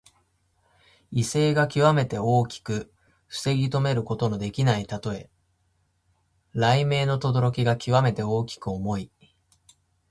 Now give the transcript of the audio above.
威勢がきわめて大きく防ぎとめることのできないたとえ。雷鳴のとどろきがきわめて大きく重い。